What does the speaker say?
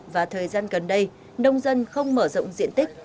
và thời gian gần đây nông dân không mở rộng diện tích